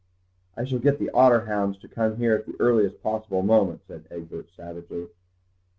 "I shall get the otter hounds to come here at the earliest possible moment," said Egbert savagely.